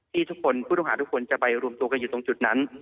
ที่ทุกคนผู้ต้องหาทุกคนจะไปรวมตัวกันอยู่ตรงจุดนั้น